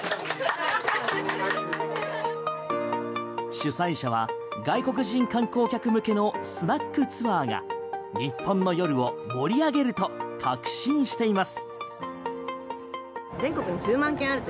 主催者は外国人観光客向けのスナックツアーが日本の夜を盛り上げると確信しています。